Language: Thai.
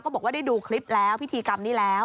บอกว่าได้ดูคลิปแล้วพิธีกรรมนี้แล้ว